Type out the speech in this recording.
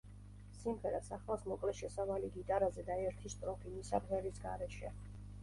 სიმღერას ახლავს მოკლე შესავალი გიტარაზე და ერთი სტროფი, მისამღერის გარეშე.